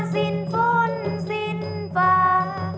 ธรรมดา